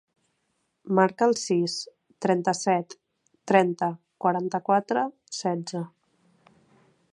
Marca el sis, trenta-set, trenta, quaranta-quatre, setze.